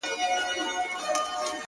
سړي و ویل قاضي ته زما بادار یې,